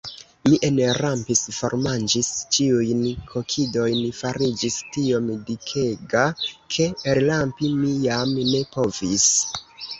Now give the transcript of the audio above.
Mi enrampis, formanĝis ĉiujn kokidojn, fariĝis tiom dikega, ke elrampi mi jam ne povis.